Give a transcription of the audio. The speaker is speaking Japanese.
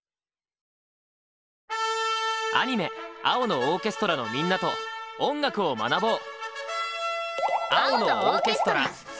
アニメ「青のオーケストラ」のみんなと音楽を学ぼう！